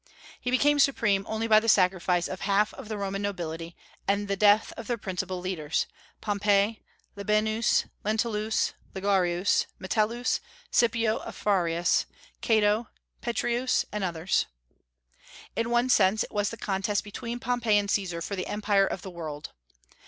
He became supreme only by the sacrifice of half of the Roman nobility and the death of their principal leaders, Pompey, Labienus, Lentulus, Ligarius, Metellus, Scipio Afrarius, Cato, Petreius, and others. In one sense it was the contest between Pompey and Caesar for the empire of the world.